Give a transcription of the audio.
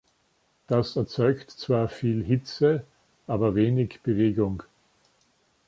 Das erzeugt zwar viel Hitze, aber wenig Bewegung.